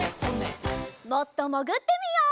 もっともぐってみよう。